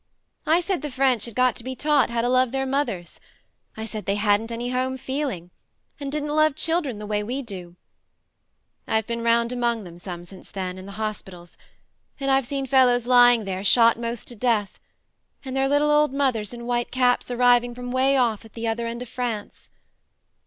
I said the French had got to be taught how to love their mothers I said they hadn't any home feeling and didn't love children the way we 106 THE MARNE do. I've been round among them some since then, in the hospitals, and I've seen fellows lying there shot 'most to death, and their little old mothers in white caps arriving from 'way off at the other end of France.